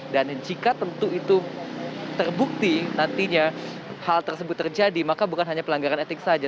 dan jika tentu itu terbukti nantinya hal tersebut terjadi maka bukan hanya pelanggaran etik saja